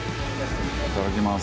いただきます。